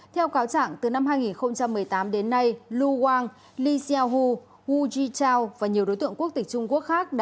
theo cáo chẳng từ năm hai nghìn một mươi tám đến nay lu wang li xiaohu wu jichao và nhiều đối tượng quốc tịch trung quốc khác